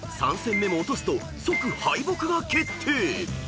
［３戦目も落とすと即敗北が決定］